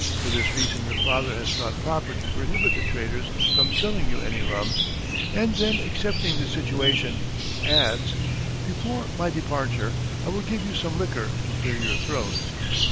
For this reason your father has thought proper to prohibit the traders from selling you any rum;" and then accepting the situation, adds, "before my departure I will give you some liquor to clear your throats."